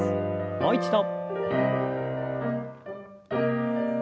もう一度。